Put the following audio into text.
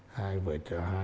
hai vợ chú